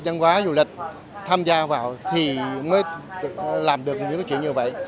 văn hóa du lịch tham gia vào thì mới làm được những cái chuyện như vậy